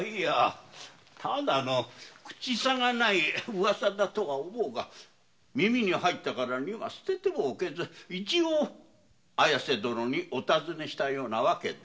ただの噂だとは思うが耳に入ったからには捨ててもおけず一応綾瀬殿にお尋ねしたような訳で。